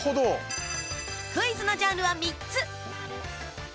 クイズのジャンルは３つ。